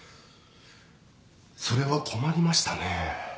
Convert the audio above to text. それは困りましたね。